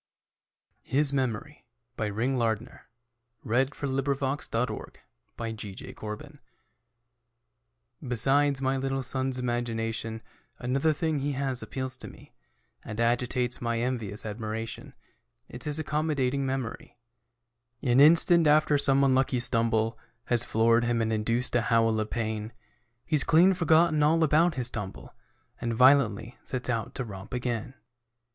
'd give them back my salary. HIS MEMORY Besides my little son's imagination, Another thing he has appeals to me And agitates my envious admiration It's his accommodating memory. An instant after some unlucky stumble Has floored him and induced a howl of pain, He's clean forgotten all about his tumble And violently sets out to romp again.